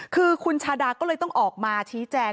คือคุณชาดาก็เลยต้องออกมาชี้แจง